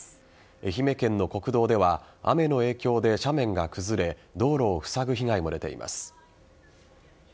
愛媛県の国道では雨の影響で斜面が崩れ道路をふさぐ被害も出ています。